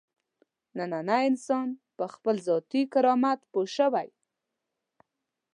نننی انسان په خپل ذاتي کرامت پوه شوی.